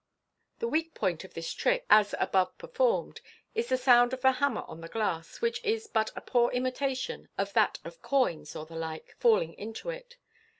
The weak point of the trick, as above performed, is the sound of the hammer on the glass, which is but a poor imitation of that of coins, or the like, falling into it.